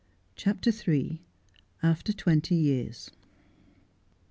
CHAPTEB III. AFTER TWENTY YEARS.